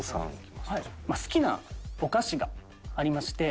好きなお菓子がありまして。